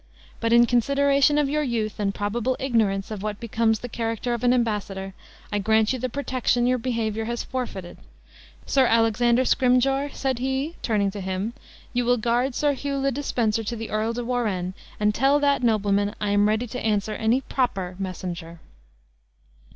But in consideration of your youth, and probable ignorance of what becomes the character of an embassador, I grant you the protection your behavior has forfeited. Sir Alexander Scrymgeour," said he, turning to him, "you will guard Sir Hugh le de Spencer to the Earl de Warenne, and tell that nobleman I am ready to answer any proper messenger."